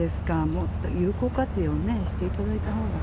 もっと有効活用ね、していただいたほうが。